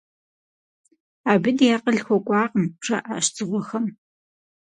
Абы ди акъыл хуэкӏуакъым, - жаӏащ дзыгъуэхэм.